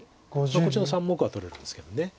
こっちの３目は取れるんですけど。